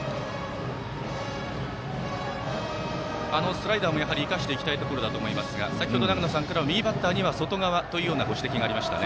スライダーも生かしていきたいところだと思いますが先程、長野さんからは右バッターには外側とご指摘がありましたね。